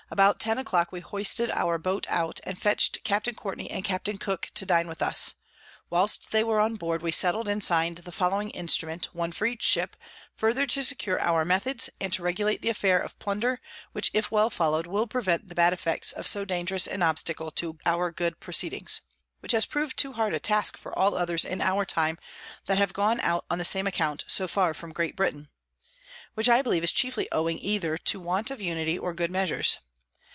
About ten a clock we hoisted our Boat out, and fetch'd Capt Courtney and Capt. Cook to dine with us: whilst they were on board, we settled and sign'd the following Instrument, one for each Ship, further to secure our Methods, and to regulate the Affair of Plunder, which if well follow'd will prevent the bad effects of so dangerous an Obstacle to our good Proceedings; which has prov'd too hard a Task for all others in our time that have gone out on the same account, so far from Great Britain: which I believe is chiefly owing either to want of Unity or good Measures.